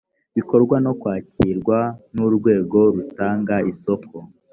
bikorwa no kwakirwa n urwego rutanga isoko